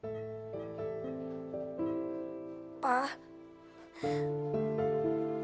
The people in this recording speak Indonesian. tuh mau tunjukimu